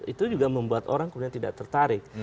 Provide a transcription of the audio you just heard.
itu juga membuat orang kemudian tidak tertarik